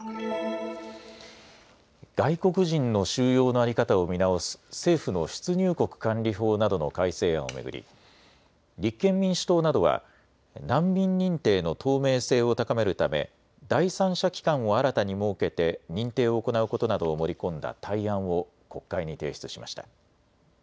外国人の収容の在り方を見直す政府の出入国管理法などの改正案を巡り立憲民主党などは難民認定の透明性を高めるため第三者機関を新たに設けて認定を行うことなどを盛り込んだ対案を国会に提出しました。